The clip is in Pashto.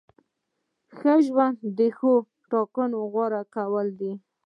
ښه ژوند د ښو ټاکنو غوره کول دي.